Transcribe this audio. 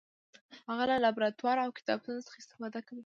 هغه له لابراتوار او کتابتون څخه استفاده کوي.